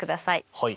はい。